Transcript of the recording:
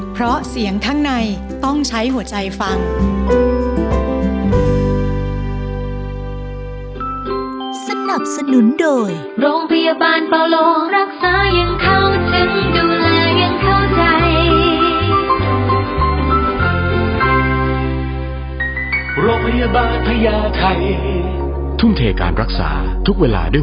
บ้านปาโลรักษายังเข้า